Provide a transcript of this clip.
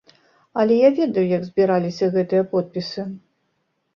Але я ведаю, як збіраліся гэтыя подпісы.